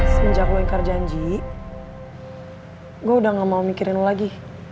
sejak lu ingkar janji gua udah gak mau mikirin lu lagi